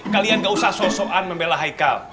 kalian gak usah so soan membela haikal